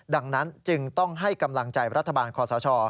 ดังนั้นจึงต้องให้กำลังใจรัฐบาลคอสช